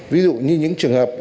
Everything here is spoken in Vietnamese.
ví dụ như những trường hợp